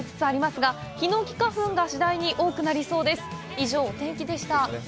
以上、お天気でした。